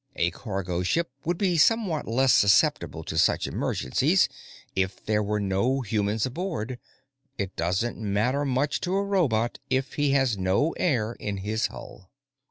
A cargo ship would be somewhat less susceptible to such emergencies if there were no humans aboard; it doesn't matter much to a robot if he has no air in his hull.